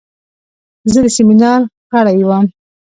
زه د سیمینار غړی وم.